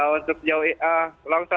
untuk jawa ia longsor